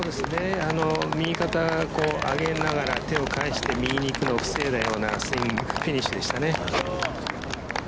右肩上げながら手を返して右に行くのを防いだようなスイングフィニッシュでしたね。